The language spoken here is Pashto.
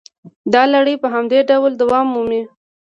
دا لړۍ په همدې ډول دوام مومي